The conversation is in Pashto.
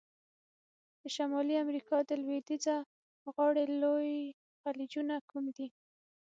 د شمالي امریکا د لویدیځه غاړي لوی خلیجونه کوم دي؟